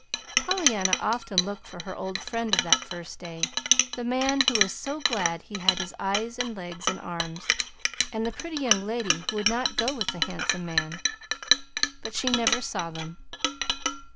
Pollyanna often looked for her old friends of that first day the man who was so glad he had his eyes and legs and arms, and the pretty young lady who would not go with the handsome man; but she never saw them.